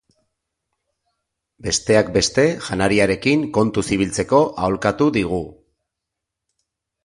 Besteak beste, janariarekin kontuz ibiltzeko aholkatu digu.